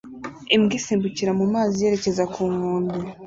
Imbwa isimbukira mu mazi yerekeza ku nkombe